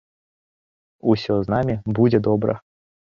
Усё з намі будзе добра!